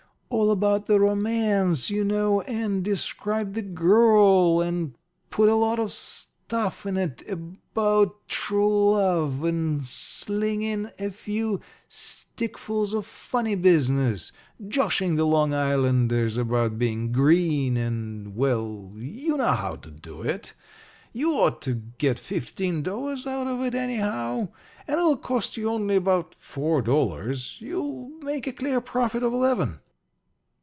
All about the romance, you know, and describe the girl, and put a lot of stuff in it about true love, and sling in a few stickfuls of funny business joshing the Long Islanders about being green, and, well you know how to do it. You ought to get fifteen dollars out of it, anyhow. And it'll cost you only about four dollars. You'll make a clear profit of eleven."